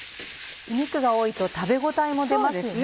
肉が多いと食べ応えも出ますよね。